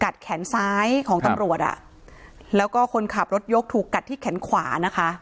แขนซ้ายของตำรวจอ่ะแล้วก็คนขับรถยกถูกกัดที่แขนขวานะคะ